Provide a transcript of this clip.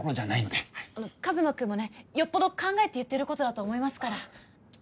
カズマ君もねよっぽど考えて言ってることだと思いますから。